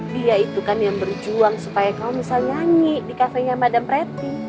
dia itu kan yang berjuang supaya kamu bisa nyanyi di kafe nya madame preti